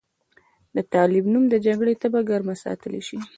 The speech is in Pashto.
د طالب نوم د جګړې تبه ګرمه ساتلی شي.